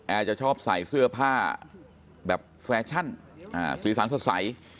จะชอบใส่เสื้อผ้าแบบแฟชั่นสีสันสดใส